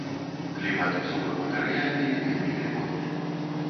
Клімат субэкватарыяльны, вельмі вільготны.